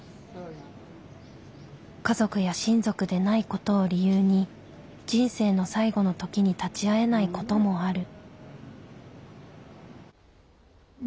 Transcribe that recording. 家族や親族でないことを理由に人生の最期の時に立ち会えないこともある。